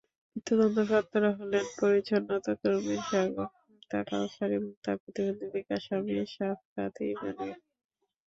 মৃত্যুদণ্ডপ্রাপ্তরা হলেন পরিচ্ছন্নতাকর্মী শাগুফতা কাওসার এবং তাঁর প্রতিবন্ধী বেকার স্বামী শাফকাত ইমানুয়েল।